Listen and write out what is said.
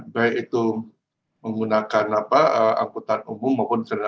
baik itu menggunakan angkutan umum maupun kendaraan